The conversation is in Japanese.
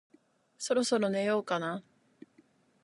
そろそろ寝ようかな